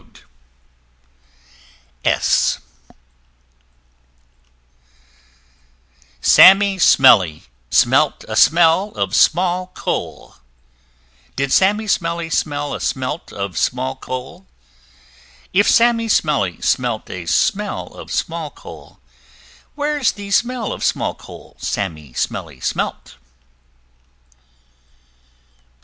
S s [Illustration: Sammy Smellie] Sammy Smellie smelt a smell of Small coal: Did Sammy Smellie smell a smelt of Small coal? If Sammy Smellie smelt a smell of Small coal, Where's the smell of Small coal Sammy Smellie smelt?